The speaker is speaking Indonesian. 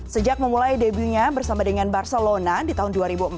sejak memulai debunya bersama dengan barcelona di tahun dua ribu empat